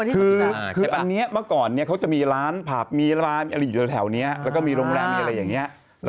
คืออันนี้เมื่อก่อนเขาจะมีร้านพับอยู่แถวนี้แล้วก็มีโรงแรมอย่างนี้